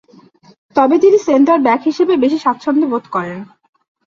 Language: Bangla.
তবে তিনি সেন্টার-ব্যাক হিসেবে বেশি স্বাচ্ছন্দ্য বোধ করেন।